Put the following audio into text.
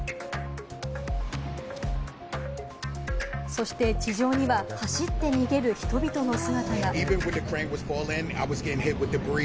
そして地上には、走って逃げる人々の姿が。